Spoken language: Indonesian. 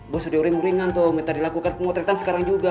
gue sudah ringan tuh minta dilakukan pemotretan sekarang juga